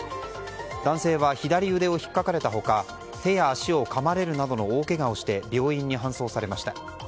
男性は左腕をひっかかれた他手や足をかまれるなどの大けがをして病院に搬送されました。